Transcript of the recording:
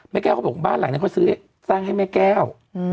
แม่แก้วเขาบอกบ้านหลังนั้นเขาซื้อสร้างให้แม่แก้ว